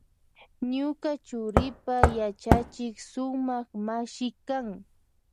Ñuka churipa yachachik sumak mashi kan.